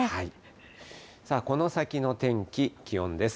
この先の天気、気温です。